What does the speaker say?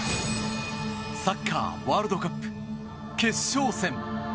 サッカーワールドカップ決勝戦。